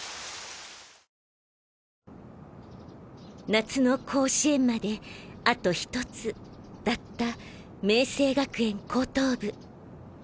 夏の甲子園まであとひとつだった明青学園高等部。